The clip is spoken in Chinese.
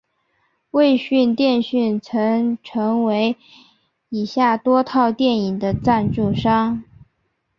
卫讯电讯曾成为以下多套电影的赞助商。